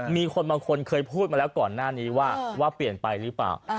มีคนบางคนเคยพูดมาแล้วก่อนหน้านี้ว่าเปลี่ยนไปหรือเปล่า